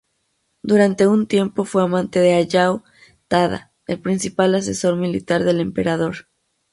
Durante un tiempo fue amante de Hayao Tada, el principal asesor militar del emperador.